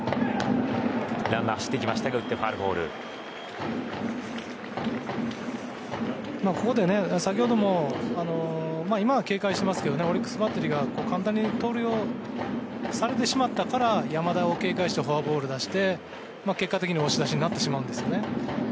ランナー、走ってきましたがここで先ほども今は警戒してますけどオリックスバッテリーが簡単に盗塁をされてしまったから山田を警戒してフォアボールを出して結果的に押し出しになってしまうんですよね。